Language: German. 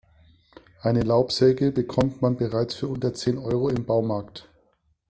Eine Laubsäge bekommt man bereits für unter zehn Euro im Baumarkt.